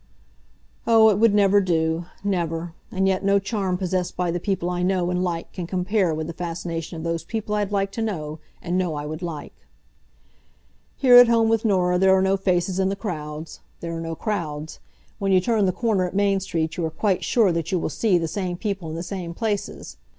Oh, it would never do. Never. And yet no charm possessed by the people I know and like can compare with the fascination of those People I'd Like to Know, and Know I Would Like. Here at home with Norah there are no faces in the crowds. There are no crowds. When you turn the corner at Main street you are quite sure that you will see the same people in the same places.